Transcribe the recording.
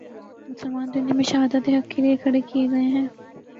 مسلمان دنیا میں شہادت حق کے لیے کھڑے کیے گئے ہیں۔